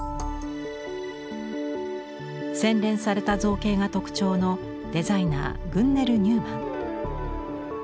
洗練された造形が特徴のデザイナーグンネル・ニューマン。